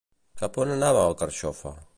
Cap on anava el Carxofa?